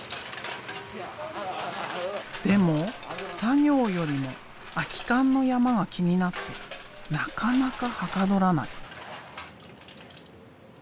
でも作業よりも空き缶の山が気になってなかなかはかどらない。